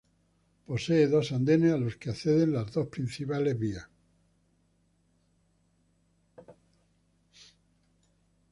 Posee dos andenes a los que acceden las dos vías principales.